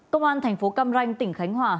công an thành phố căm ranh tỉnh khánh hòa